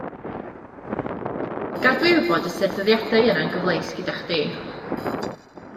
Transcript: Gad fi wybod os ydi'r dyddiadau yna yn gyfleus gyda chdi